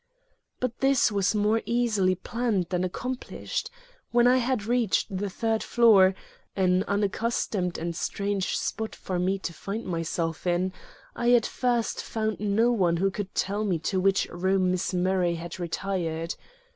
But this was more easily planned than accomplished. When I had reached the third floor (an unaccustomed and strange spot for me to find myself in) I at first found no one who could tell me to which room Miss Murray had retired.